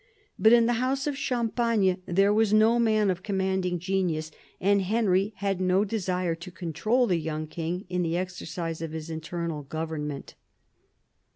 But in the house of Champagne there was no man of commanding genius, and Henry had no desire to control the young king in the exercise of his internal goverment.